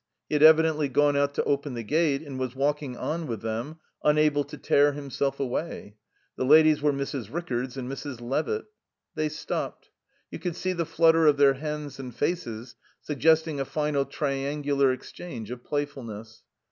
He had evidently gone out to open the gate, and was walking on with them, unable to tear himself away. The ladies were Mrs. Rickards and Mrs. Levitt. They stopped. You could see the flutter of their hands and faces, suggesting a final triangular exchange of playfulness.